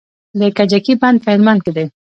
د کجکي بند په هلمند کې دی